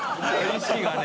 意識がね。